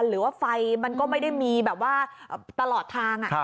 หรือว่าไฟมันก็ไม่ได้มีแบบว่าตลอดทาง